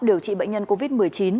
điều trị bệnh nhân covid một mươi chín